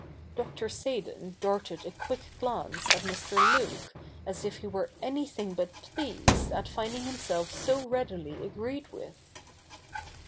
Dr. Seydon darted a quick glance at Mr. Luke, as if he were anything but pleased at finding himself so readily agreed with.